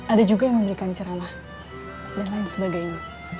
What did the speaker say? ada juga yang memberikan ceramah dan lain sebagainya